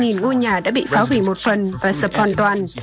hơn hai trăm hai mươi hai ngôi nhà đã bị phá hủy một phần và sập hoàn toàn